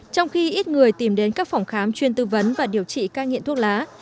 trong khi ít người tìm đến các phòng khám chuyên tư vấn và điều trị cai nghiện thuốc lá